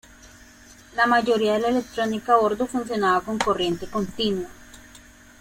La mayoría de la electrónica a bordo funcionaba con corriente continua.